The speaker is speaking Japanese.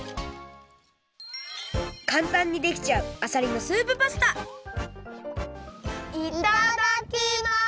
かんたんにできちゃうあさりのスープパスタいただきます。